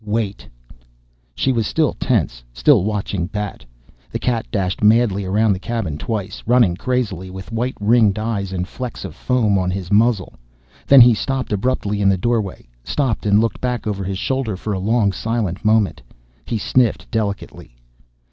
"Wait!" She was still tense, still watching Bat. The cat dashed madly around the cabin twice, running crazily with white ringed eyes and flecks of foam on his muzzle. Then he stopped abruptly in the doorway, stopped and looked back over his shoulder for a long silent moment. He sniffed delicately.